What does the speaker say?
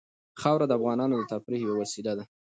خاوره د افغانانو د تفریح یوه وسیله ده.